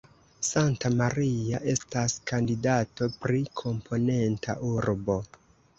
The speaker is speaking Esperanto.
Santa Maria estas kandidato pri komponenta urbo.